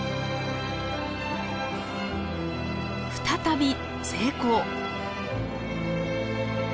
再び成功！